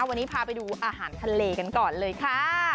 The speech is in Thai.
วันนี้พาไปดูอาหารทะเลกันก่อนเลยค่ะ